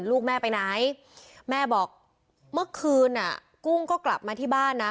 ลูกแม่ไปไหนแม่บอกเมื่อคืนอ่ะกุ้งก็กลับมาที่บ้านนะ